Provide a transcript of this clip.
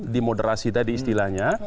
di moderasi tadi istilahnya